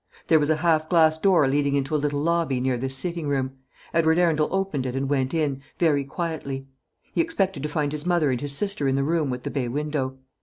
There was a half glass door leading into a little lobby near this sitting room. Edward Arundel opened it and went in, very quietly. He expected to find his mother and his sister in the room with the bay window.